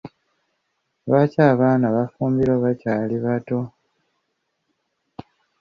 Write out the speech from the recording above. Lwaki abaana bafumbirwa bakyali bato.